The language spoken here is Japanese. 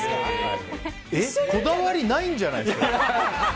こだわりないんじゃないですか。